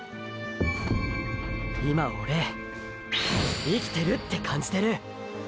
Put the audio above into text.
今オレ生きてるって感じてる！！